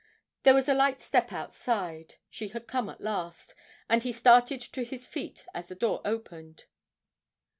There was a light step outside, she had come at last, and he started to his feet as the door opened.